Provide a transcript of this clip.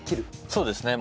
そうですね。